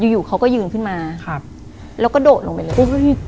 อยู่เขาก็ยืนขึ้นมาแล้วก็โดดลงไปเลย